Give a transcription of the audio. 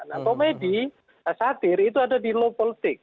nah komedi satir itu ada di low politik